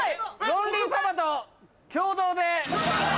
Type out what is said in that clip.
ロンリーパパと共同で。